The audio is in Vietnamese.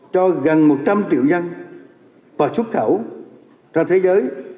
cho gần một trăm linh triệu dân và xuất khẩu ra thế giới